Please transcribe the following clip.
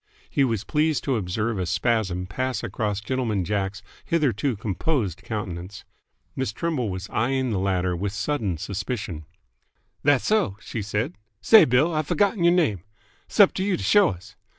He was pleased to observe a spasm pass across Gentleman Jack's hitherto composed countenance. Miss Trimble was eyeing the latter with sudden suspicion. "Thasso!" she said. "Say, Bill, I've f'gott'n y'r name 'sup to you to show us!